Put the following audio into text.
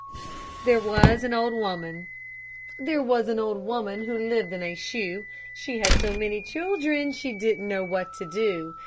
THERE WAS AN OLD WOMAN There was an old woman who lived in a shoe. She had so many children she didn't know what to do.